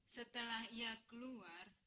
setelah ia keluar